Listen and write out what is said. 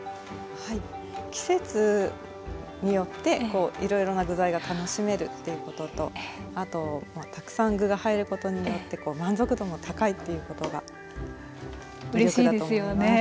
はい季節によっていろいろな具材が楽しめるっていうこととあとたくさん具が入ることによって満足度も高いっていうことが魅力だと思います。